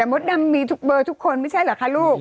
มดดำมีทุกเบอร์ทุกคนไม่ใช่เหรอคะลูก